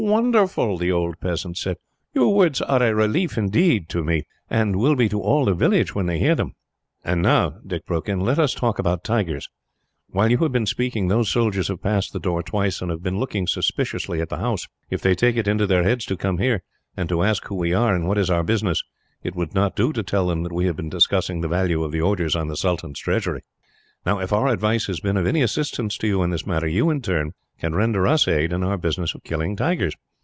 "Wonderful!" the old peasant said. "Your words are a relief, indeed, to me, and will be to all the village, when they hear them." "And now," Dick broke in, "let us talk about tigers. While you have been speaking, those soldiers have passed the door twice, and have been looking suspiciously at the house. If they take it into their heads to come here, and to ask who we are and what is our business, it would not do to tell them that we have been discussing the value of the orders on the sultan's treasury. "Now, if our advice has been of any assistance to you in this matter, you, in turn, can render us aid in our business of killing tigers.